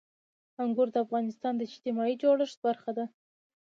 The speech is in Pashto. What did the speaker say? انګور د افغانستان د اجتماعي جوړښت برخه ده.